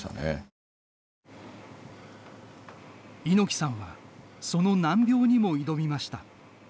猪木さんはその難病にも挑みました。